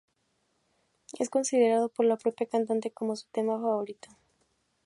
Es considerado por la propia cantante como su tema favorito.